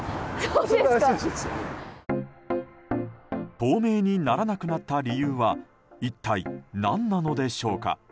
透明にならなくなった理由は一体何なのでしょうか。